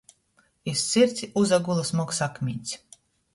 Iz sirds uzagula smogs akmiņs.